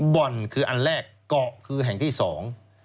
บ่อนคืออันแรกเกาะคือแห่งที่สอง